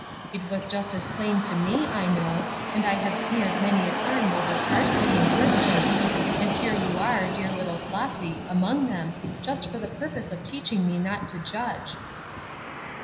It was just as plain to me, I know, and I have sneered many a time over card playing Christians, and here you are, dear little Flossy, among them, just for the purpose of teaching me not to judge."